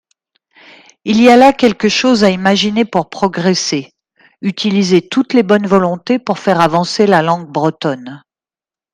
Il y a là quelque chose à imaginer pour progresser : utiliser toutes les bonnes volontés pour faire avancer la langue bretonne.